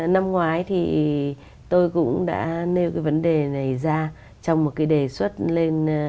năm ngoái thì tôi cũng đã nêu cái vấn đề này ra trong một cái đề xuất lên